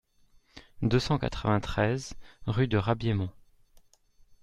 deux cent quatre-vingt-treize rue de Rabiémont